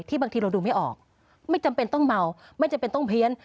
บางทีเราดูไม่ออกไม่จำเป็นต้องเมาไม่จำเป็นต้องเพี้ยน